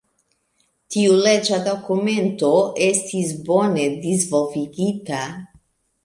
Tiu leĝa dokumento estis bone disvolvigita.